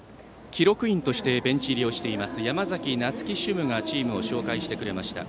記録員としてベンチ入りをしています山崎那月主務がチームを紹介してくれました。